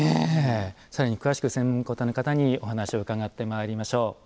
さらに詳しく専門家の方にお話を伺ってまいりましょう。